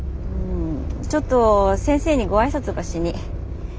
ちょっと先生にご挨拶ばしに。